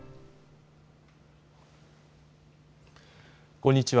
こんにちは。